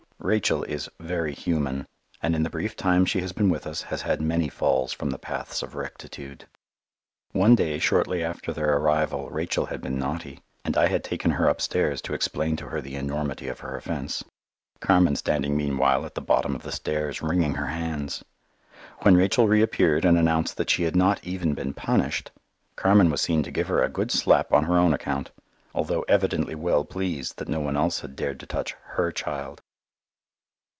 Rachel is very human, and in the brief time she has been with us has had many falls from the paths of rectitude. One day shortly after their arrival Rachel had been naughty, and I had taken her upstairs to explain to her the enormity of her offence, Carmen standing meanwhile at the bottom of the stairs wringing her hands. When Rachel reappeared and announced that she had not even been punished, Carmen was seen to give her a good slap on her own account, although evidently well pleased that no one else had dared to touch her child.